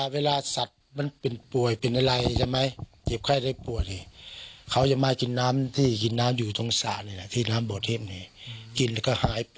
วิ่งหนีลงมากันจนหมดเลยค่ะ